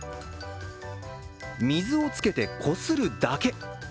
水をつけて、こするだけ。